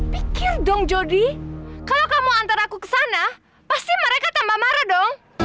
pikir dong jody kalau kamu antar aku ke sana pasti mereka tambah marah dong